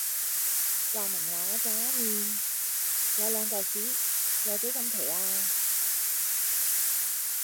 話明嗱喳麵有兩嚿屎有幾咁奇呀？